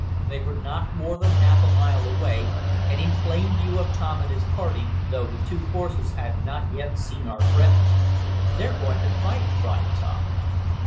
They were not more than half a mile away, and in plain view of Tom and his party, though the two forces had not yet seen our friends. "They're going to fight!" cried Tom.